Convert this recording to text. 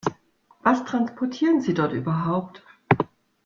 Was transportieren Sie dort überhaupt?